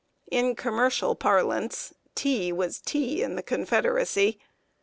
In commercial parlance, tea was tea in the Confederacy.